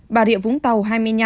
bà rịa vũng tàu hai mươi năm